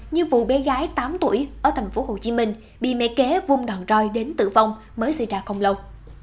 như vụ bé gái tám tuổi ở tp hcm bị mẹ ké vung đạn roi đến tử vong mới xảy ra không lâu